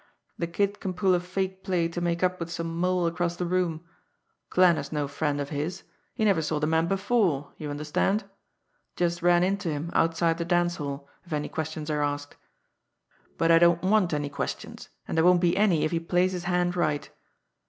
The Kid can pull a fake play to make up with some moll across the room. Klanner's no friend of his, he never saw the man before you understand? just ran into him outside the dance hall, if any questions are asked. But I don't want any questions, and there won't be any if he plays his hand right.